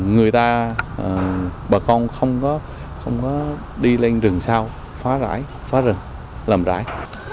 người ta bà con không có đi lên rừng sao phá rải phá rừng làm rải